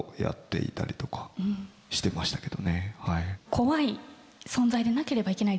怖い存在でなければいけない。